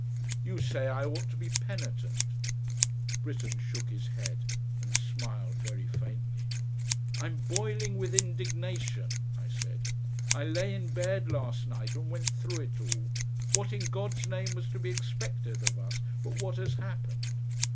You say I ought to be penitent " Britten shook his head and smiled very faintly. "I'm boiling with indignation," I said. "I lay in bed last night and went through it all. What in God's name was to be expected of us but what has happened?